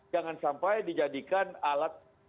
jangan sampai dijadikan alat